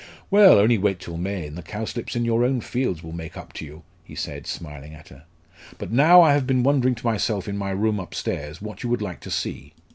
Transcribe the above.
"Well, only wait till May, and the cowslips in your own fields will make up to you!" he said, smiling at her. "But now, I have been wondering to myself in my room upstairs what you would like to see.